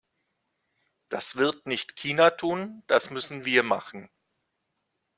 Das wird nicht China tun, das müssen wir machen.